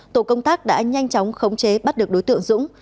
tổ công tác đã nhanh chóng khống chế bắt được đối tượng dũng